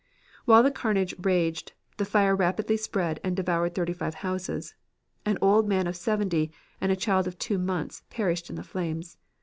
"While the carnage raged, the fire rapidly spread and devoured thirty five houses. An old man of seventy and a child of two months perished in the flames.